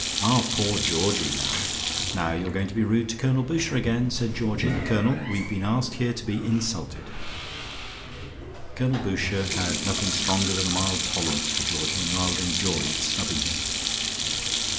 Our poor Georgie now " "Now you're going to be rude to Colonel Boucher again," said Georgie. "Colonel, we've been asked here to be insulted." Colonel Boucher had nothing stronger than a mild tolerance for Georgie and rather enjoyed snubbing him.